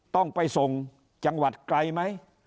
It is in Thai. ต้องไปส่งจังหวัดไกลไหม